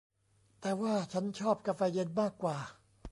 แต่ว่าฉันชอบกาแฟเย็นมากกว่า